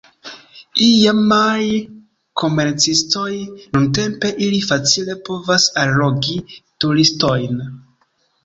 Iamaj komercistoj, nuntempe, ili facile povas allogi turistojn.